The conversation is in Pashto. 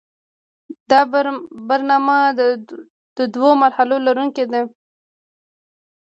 دا برنامه د دوو مرحلو لرونکې ده.